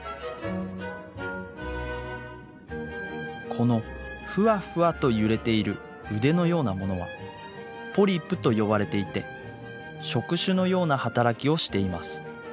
このフワフワと揺れている腕のようなものはポリプと呼ばれていて触手のような働きをしています。